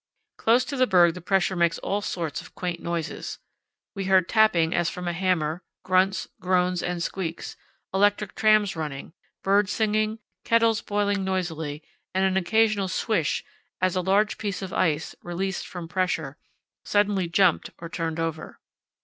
Close to the berg the pressure makes all sorts of quaint noises. We heard tapping as from a hammer, grunts, groans and squeaks, electric trams running, birds singing, kettles boiling noisily, and an occasional swish as a large piece of ice, released from pressure, suddenly jumped or turned over.